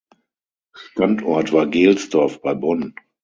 Standort war Gelsdorf bei Bonn.